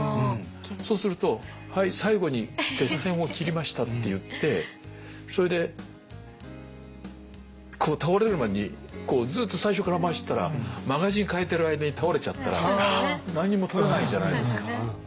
そうすると最後に鉄線を切りましたっていってそれでこう倒れる前にずっと最初から回してたらマガジン換えてる間に倒れちゃったら何にも撮れないじゃないですか。